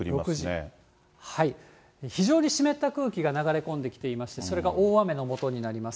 ６時、非常に湿った空気が流れ込んできていまして、それが大雨のもとになります。